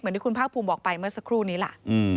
ที่คุณภาคภูมิบอกไปเมื่อสักครู่นี้ล่ะ